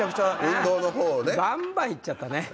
バンバン行っちゃったね。